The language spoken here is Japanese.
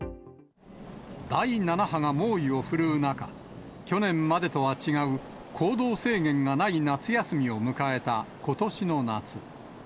第７波が猛威を振るう中、去年までとは違う行動制限がない夏休みを迎えた、ことしの夏。